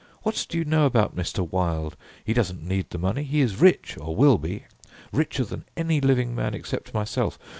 "What do you know about Mr. Wilde? He doesn't need the money. He is rich or will be richer than any living man except myself.